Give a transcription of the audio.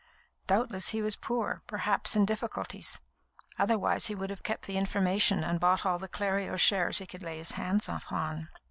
Doubtless he was poor, perhaps in difficulties; otherwise he would have kept the information and bought all the Clerio shares he could lay his hands upon.